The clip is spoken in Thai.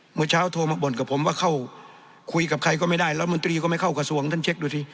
เมื่อเช้าโทรมาบ่นกับผมว่าเข้าคุยกับใครก็ไม่ได้รัฐมนตรีก็ไม่เข้ากระทรวงท่านเช็คดูสิ